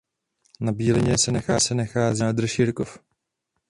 Na Bílině se nachází vodní nádrž Jirkov.